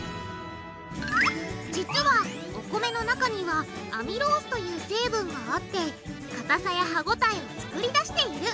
実はお米の中にはアミロースという成分があってかたさや歯応えを作り出している。